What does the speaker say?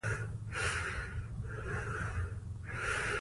ازادي راډیو د بیکاري په اړه د مینه والو لیکونه لوستي.